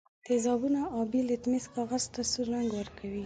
تیزابونه آبي لتمس کاغذ ته سور رنګ ورکوي.